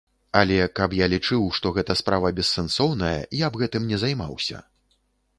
Але каб я лічыў, што гэта справа бессэнсоўная, я б гэтым не займаўся.